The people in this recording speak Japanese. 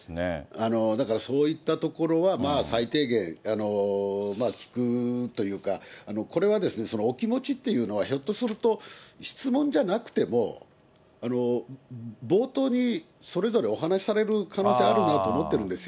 だからそういったところは最低限、聞くというか、これは、お気持ちっていうのは、ひょっとすると、質問じゃなくても、冒頭にそれぞれお話しされる可能性あるなと思ってるんですよ。